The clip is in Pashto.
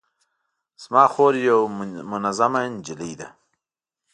زما خور یوه منظمه نجلۍ ده